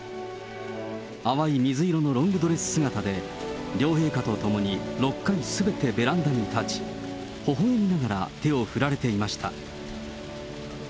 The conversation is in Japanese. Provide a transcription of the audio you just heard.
淡い水色のロングドレス姿で、両陛下と共に６回すべてベランダに立ち、ほほえみながら手を振られていました。